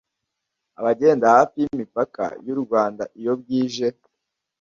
Abagenda hafi y’imipaka y’u Rwanda iyo bwije